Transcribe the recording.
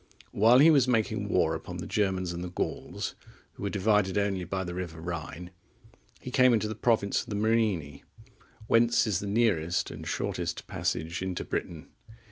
While he was making war upon the Germans and the Gauls, who were divided only by the river Rhine, he came into the province of the Morini, whence is the nearest and shortest passage into Britain.